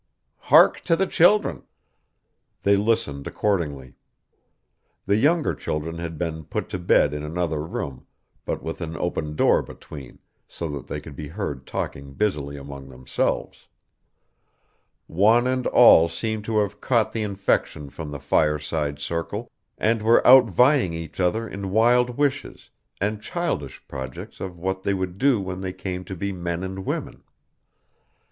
Hark to the children!' They listened accordingly. The younger children had been put to bed in another room, but with an open door between, so that they could be heard talking busily among themselves. One and all seemed to have caught the infection from the fireside circle, and were outvying each other in wild wishes, and childish projects of what they would do when they came to be men and women.